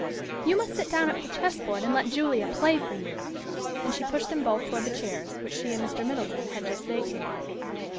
You must sit down at the chessboard and let Julia play for you," and she pushed them both toward the chairs, which she and Mr. Middleton had just vacated.